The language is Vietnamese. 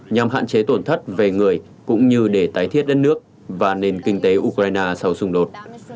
nhằm hạn chế tổn thất về người cũng như để tái thiết đất nước và nền kinh tế ukraine sau xung đột